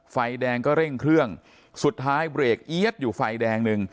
ไฟแดงก็เร่งเครื่องสุดท้ายเบรกเอี๊ยดอยู่ไฟแดงหนึ่ง